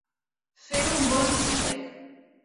Fer un bon xubec.